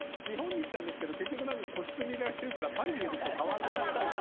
日本に来たんですけど結局なんか個室に入れられてるからパリにいる時と変わらない感じ。